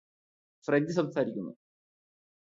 French സംസാരിക്കുന്നു